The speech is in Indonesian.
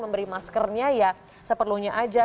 memberi maskernya ya seperlunya aja